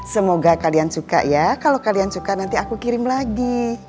semoga kalian suka ya kalau kalian suka nanti aku kirim lagi